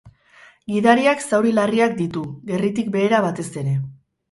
Gidariak zauri larriak ditu, gerritik behera batez ere.